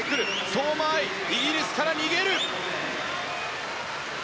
相馬あい、イギリスから逃げる。